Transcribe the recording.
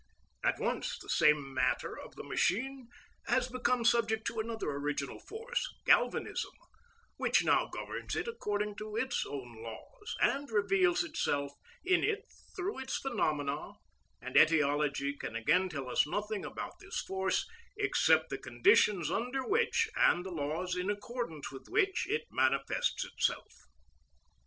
At once the same matter of the machine has become subject to another original force, galvanism, which now governs it according to its own laws, and reveals itself in it through its phenomena; and etiology can again tell us nothing about this force except the conditions under which, and the laws in accordance with which, it manifests itself.